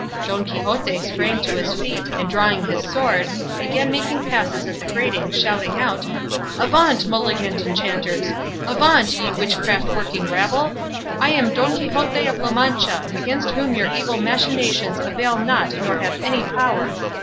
Don Quixote sprang to his feet, and drawing his sword, began making passes at the grating, shouting out, "Avaunt, malignant enchanters! avaunt, ye witchcraft working rabble! I am Don Quixote of La Mancha, against whom your evil machinations avail not nor have any power."